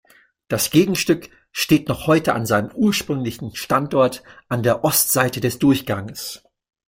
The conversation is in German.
Das Gegenstück steht noch heute an seinem ursprünglichen Standort an der Ostseite des Durchganges.